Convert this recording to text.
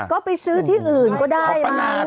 ก็ไปซื้อที่อื่นก็ได้มา